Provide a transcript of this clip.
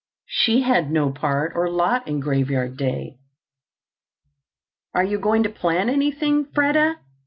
She had no part or lot in Graveyard Day. "Are you going to plant anything, Freda?"